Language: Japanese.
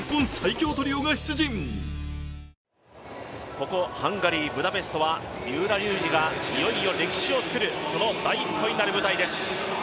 ここハンガリー・ブダペストは三浦龍司がいよいよ歴史を作るその第一歩になる舞台です。